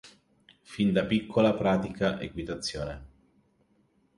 Fin da piccola pratica equitazione.